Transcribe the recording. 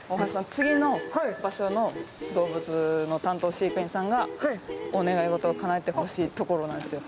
次の場所の動物の担当飼育員さんがお願い事を叶えてほしいところなんですよ